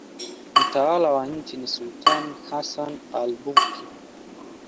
Mtawala wa nchi ni sultani Hassan al-Bolkiah.